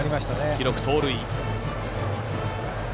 記録は盗塁。